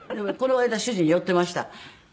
この間主人言ってました。